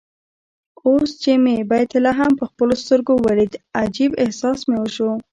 اوس چې مې بیت لحم په خپلو سترګو ولید عجيب احساس مې وشو.